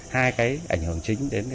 hai cái ảnh hưởng chính đến